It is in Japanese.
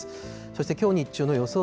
そしてきょう日中の予想